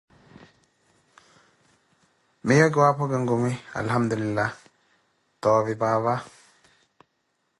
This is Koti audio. miyo kiwaapho kinkumi alihamtulillah, toovi paapa?